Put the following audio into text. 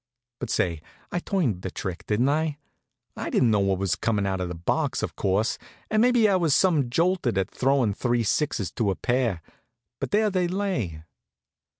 But say, I turned the trick, didn't I? I didn't know what was comin' out of the box, of course; and maybe I was some jolted at throwin' three sixes to a pair, but there they lay.